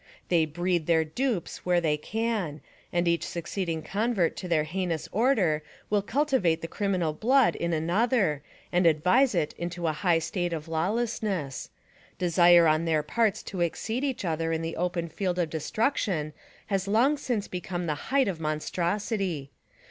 They breed their dupes where they can, and each succeeding convert to their heinous order will cultivate the crim inal blood in another and advise it into a high state of lawlessness ; desire on their parts to exceed each other in the open field of destruction has long since become the height of monstrosity.